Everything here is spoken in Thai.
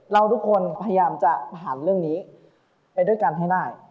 เราทุกคนพยายามจะผ่านเรื่องนี้ไปด้วยกันให้ได้